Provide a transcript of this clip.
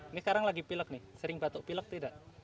ini sekarang lagi pilek nih sering batuk pilek tidak